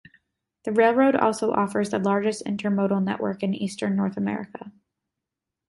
The railroad also offers the largest intermodal network in eastern North America.